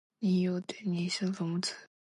你有啲似我老豆